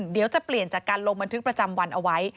เดี๋ยวจะเปลี่ยนจากการลงบันทึกประจำวันเอาไว้